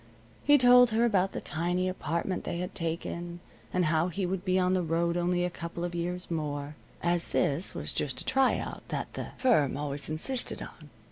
He told her about the tiny apartment they had taken, and how he would be on the road only a couple of years more, as this was just a try out that the firm always insisted on.